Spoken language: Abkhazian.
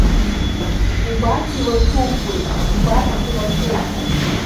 Убас иласуп уи, убас иласуп.